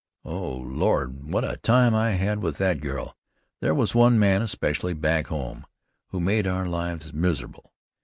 "O Lord! What a time I've had with that girl! There was one man especially, back home, who made our lives miserable.